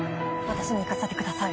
私に行かせてください